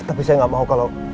tapi saya nggak mau kalau